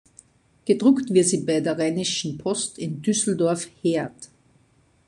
Gedruckt wird sie bei der Rheinischen Post in Düsseldorf-Heerdt.